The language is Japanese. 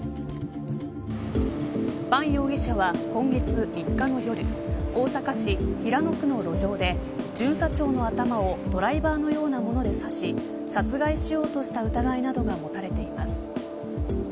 バン容疑者は今月３日の夜大阪市平野区の路上で巡査長の頭をドライバーのようなもので刺し殺害しようとした疑いなどが持たれています。